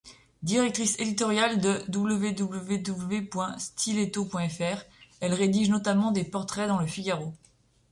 Directrice editoriale de www.stiletto.fr, elle rédige notamment des portraits dans le Figaro.